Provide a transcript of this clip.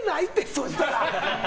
そしたら。